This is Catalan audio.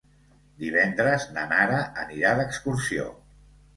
Divendres na Nara anirà d'excursió.